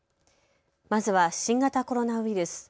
まずは新型コロナウイルス。